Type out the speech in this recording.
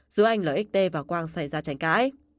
giữa anh lxt và quang xảy ra tranh cãi